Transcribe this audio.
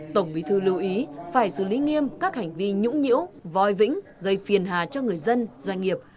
tổng bí thư lưu ý phải xử lý nghiêm các hành vi nhũng nhiễu voi vĩnh gây phiền hà cho người dân doanh nghiệp